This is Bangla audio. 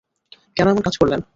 কেন এমন কাজ করলেন?